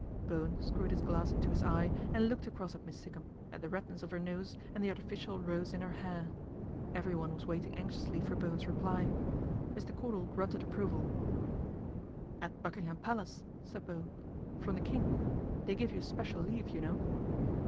Bowen screwed his glass into his eye and looked across at Miss Sikkum, at the redness of her nose and the artificial rose in her hair. Everyone was waiting anxiously for Bowen's reply. Mr. Cordal grunted approval. " At Buckingham Palace," said Bowen, " from the King. They give you special leave, you know."